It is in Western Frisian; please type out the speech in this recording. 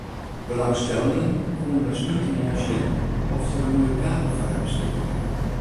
Belangstellenden koene sneontemoarn sjen oft der in moaie kavel foar har beskikber wie.